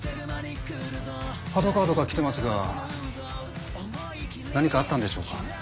・パトカーとか来てますが何かあったんでしょうか？